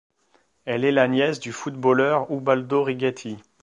Elle est la nièce du footballeur Ubaldo Righetti.